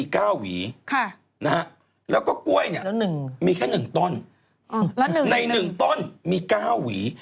กล้วยตานีมี๙หวี